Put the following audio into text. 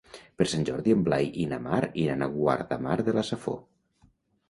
Per Sant Jordi en Blai i na Mar iran a Guardamar de la Safor.